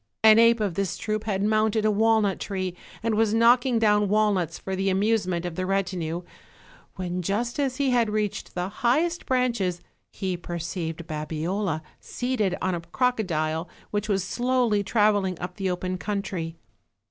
An ape of this troop had mounted a walnut tree, and was OLD, OLD FAIRY TALES. 201 knocking down walnuts for the amusement of the reti nue, when just as he had reached the highest branches lie perceived Babiola, seated on a crocodile which was slowly traveling up the open country.